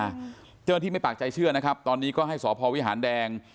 เจ้าหน้าที่ไม่ปากใจเชื่อนะครับตอนนี้ก็ให้สพวิหารแดง